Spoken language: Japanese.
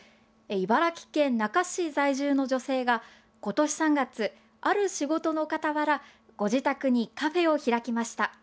茨城県那珂市在住の女性が今年３月、ある仕事の傍らご自宅にカフェを開きました。